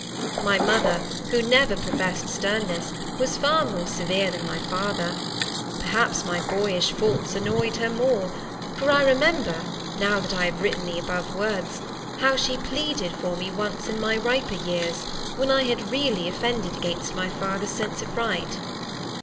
My mother, who never professed sternness, was far more severe than my father: perhaps my boyish faults annoyed her more; for I remember, now that I have written the above words, how she pleaded for me once in my riper years, when I had really offended against my father's sense of right.